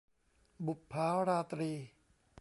บุปผาราตรี